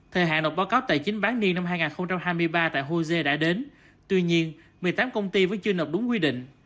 thời hạn nộp báo cáo tài chính bán niên năm hai nghìn hai mươi ba tại hosea đã đến tuy nhiên một mươi tám công ty vẫn chưa nộp đúng quy định